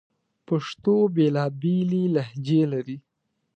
پښتو بیلابیلي لهجې لري